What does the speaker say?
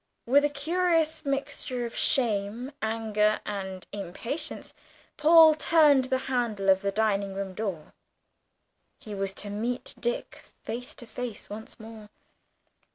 With a curious mixture of shame, anger, and impatience, Paul turned the handle of the dining room door. He was to meet Dick face to face once more.